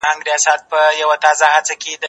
زه به کالي وچولي وي؟!